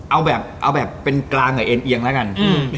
เอาแบบเป็นกลางเอาเองแล้วกัน